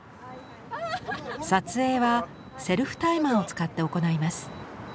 撮影はセルフタイマーを使って行います。